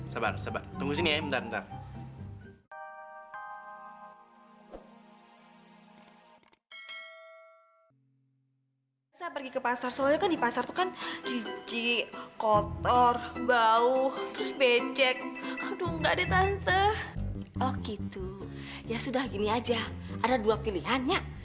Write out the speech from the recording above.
sampai jumpa di video selanjutnya